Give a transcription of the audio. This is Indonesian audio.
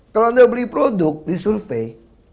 kalau anda beli produk disurvey